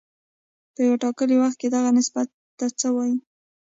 په یو ټاکلي وخت کې دغه نسبت ته څه وايي